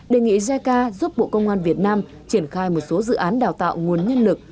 đề nghị jica giúp bộ công an việt nam triển khai một số dự án đào tạo nguồn nhân lực